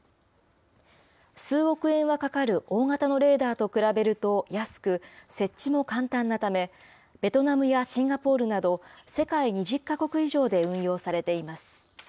数億円はかかる大型のレーダーと比べると安く、設置も簡単なため、ベトナムやシンガポールなど、世界２０か国以上で運用されています。